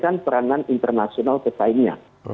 yang pada intinya itu mengredulasi